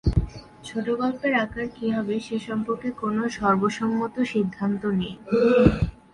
ছোটগল্পের আকার কী হবে সে সম্পর্কে কোন সর্বসম্মত সিদ্ধান্ত নেই।